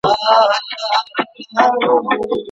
په مرکه کي د مخطوبې د کورنۍ ستاينه کيږي.